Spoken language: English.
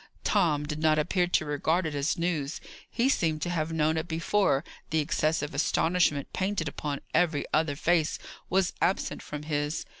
Tom did not appear to regard it as news: he seemed to have known it before: the excessive astonishment painted upon every other face was absent from his.